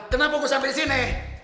kenapa gue sampai disini